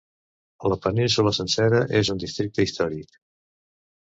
La península sencera és un districte històric.